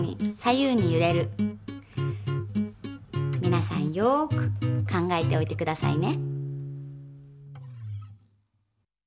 皆さんよく考えておいて下さいね。